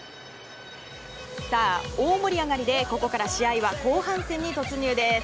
大盛り上がりでここから試合は後半戦に突入です。